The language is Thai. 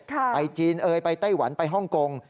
ไปจีนเอ่ยไปไต้หวันไปฮ่องกง